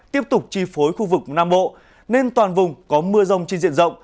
tiếp tục chi phối khu vực nam bộ nên toàn vùng có mưa rông trên diện rộng